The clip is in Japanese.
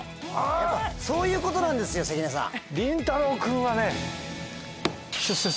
やっぱそういうことなんですよ関根さん。